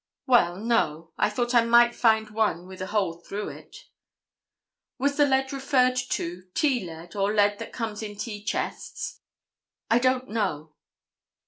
"Well, no. I thought I might find one with a hole through it." "Was the lead referred to tea lead or lead that comes in tea chests?" "I don't know."